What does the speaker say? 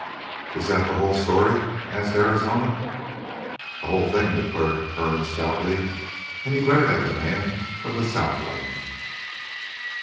"Is that the whole story?" asked Arizona. "The whole thing," declared Kern stoutly, and he glared at the man from the southland.